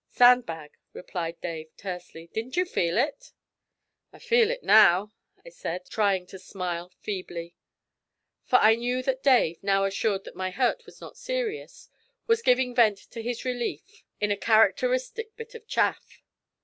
'Sandbag,' replied Dave tersely. 'Didn't you feel it?' 'I feel it now,' I said, trying to smile feebly, for I knew that Dave, now assured that my hurt was not serious, was giving vent to his relief in a characteristic bit of chaff.